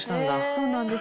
そうなんです。